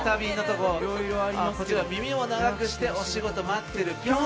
こちら「耳を長くしてお仕事待ってるピョン」。